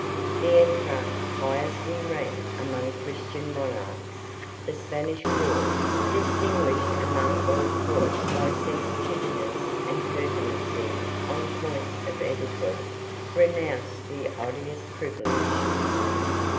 The Emperor, highest in rank among Christian monarchs, the Spanish court, distinguished among all courts by sensitiveness and pertinacity on points of etiquette, renounced the odious privilege.